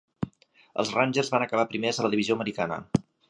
Els Rangers van acabar primers a la divisió americana.